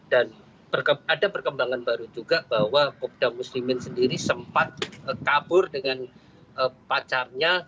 dan ada perkembangan baru juga bahwa kobda muslimin sendiri sempat kabur dengan pacarnya